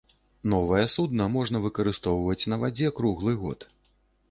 Новае судна можна выкарыстоўваць на вадзе круглы год.